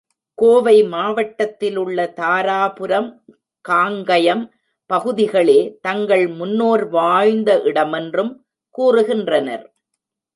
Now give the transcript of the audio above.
கோவை மாவட்டத்திலுள்ள தாராபுரம், காங்கயம் பகுதிகளே தங்கள் முன்னோர் வாழ்ந்த இடமென்றும் கூறுகின்றனர்.